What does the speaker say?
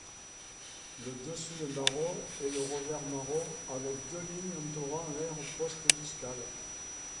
Le dessus est marron et le revers marron avec deux lignes entourant l'aire postdiscale.